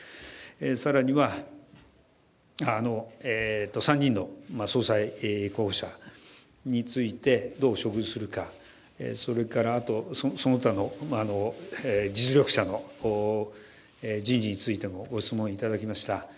更には参議院の総裁候補者についてどう処遇するか、その他の実力者の人事についてもご質問をいただきました。